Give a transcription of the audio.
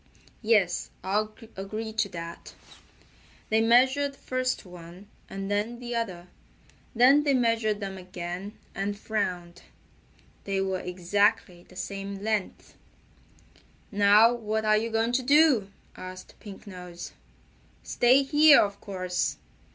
"Yes, I'll agree to that." They measured first one, and then the other. Then they measured them again, and frowned. They were exactly the same length. "Now what are you going to do?" asked Pink Nose. "Stay here, of course.